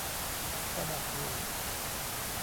ก็หนักอยู่